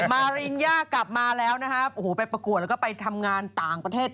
มาริญญากลับมาแล้วนะครับโอ้โหไปประกวดแล้วก็ไปทำงานต่างประเทศ